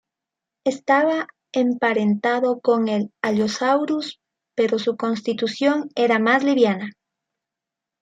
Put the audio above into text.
Estaba emparentado con el "Allosaurus", pero su constitución era más liviana.